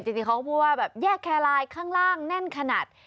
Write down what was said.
จริงเขาก็พูดว่าแบบแยกแคร์ไลน์ข้างล่างแน่นขนาด